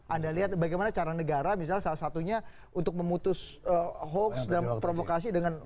anda lihat bagaimana cara negara misalnya salah satunya untuk memutus hoax dan provokasi dengan memutus komunikasi seperti itu